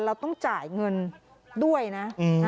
เราต้องจ่ายเงินด้วยนะ